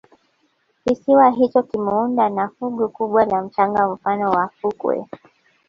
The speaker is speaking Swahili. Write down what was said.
kisiwa hicho kimeunda na fungu kubwa la mchanga mfano wa fukwe